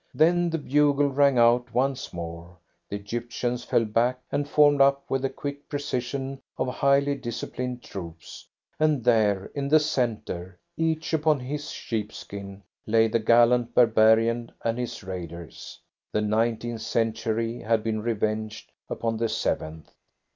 Then the bugle rang out once more, the Egyptians fell back and formed up with the quick precision of highly disciplined troops, and there in the centre, each upon his sheepskin, lay the gallant barbarian and his raiders. The nineteenth century had been revenged upon the seventh.